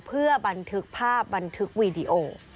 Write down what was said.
เพื่อบันทึกภาพบันทึกวีดีโอ